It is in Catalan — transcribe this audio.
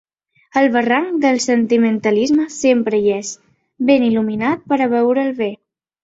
El barranc del sentimentalisme sempre hi és, ben il·luminat per a veure’l bé.